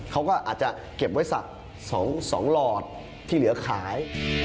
เขาก็อาจจะเก็บไว้สัก๒หลอดที่เหลือขาย